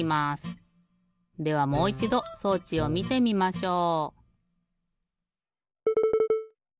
ではもういちど装置をみてみましょう！